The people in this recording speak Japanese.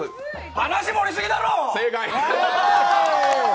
話盛りすぎだろ！